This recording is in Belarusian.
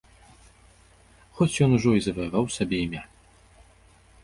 Хоць ён ужо і заваяваў сабе імя.